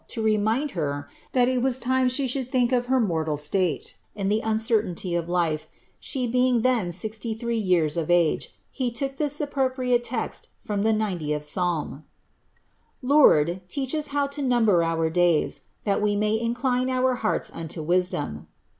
lo remind her, thai il was time she should ihink of her mortal state, and the aa certainty of life, she being then sixiy lhree years of age. lie toot iha appropriate text from the 00th Psalm i —' Lord, leach us how to numb« our Jays, ihal we may incline our hearts unlo wisdom.'